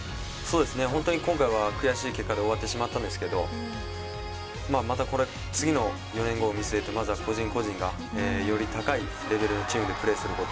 本当に今回は悔しい結果で終わってしまったんですけどまた次の４年後を見据えて個人個人がより高いレベル、チームでプレーすること。